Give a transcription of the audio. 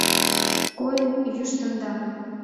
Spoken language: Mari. Койын йӱштемда.